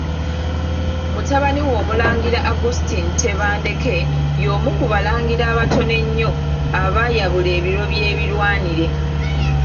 Mutabani we Omulangira Augustine Tebandeke y'omu ku Balangira abatono ennyo abaayabula ebiro by'ebirwanire.